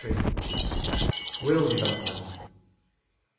WILL DEVELOPMENT.